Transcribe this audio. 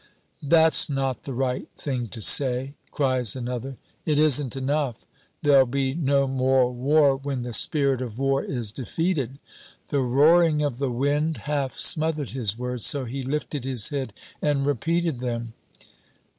"That's not the right thing to say!" cries another. "It isn't enough. There'll be no more war when the spirit of war is defeated." The roaring of the wind half smothered his words, so he lifted his head and repeated them.